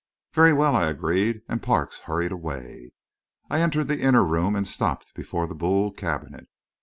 "Very well," I agreed, and Parks hurried away. I entered the inner room and stopped before the Boule cabinet.